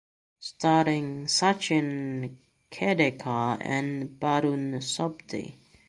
Starring Sachin Khedekar and Barun Sobti.